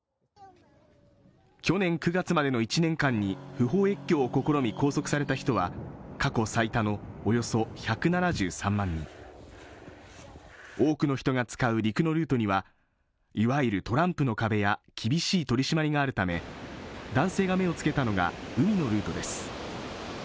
去年９月までの１年間に不法越境を試み拘束された人は過去最多のおよそ１７３万人多くの人が使う陸のルートにはいわゆるトランプの壁や厳しい取り締まりがあるため男性が目をつけたのが海のルートです